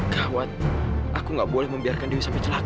gawat aku gak boleh membiarkan dewi sampe celaka